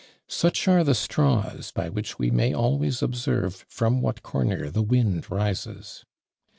Such are "the straws" by which we may always observe from what corner the wind rises!